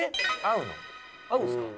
会うんですか？